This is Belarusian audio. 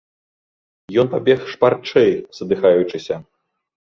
Ён пабег шпарчэй, задыхаючыся.